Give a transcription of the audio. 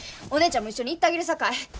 お姉ちゃんも一緒に行ったげるさかい。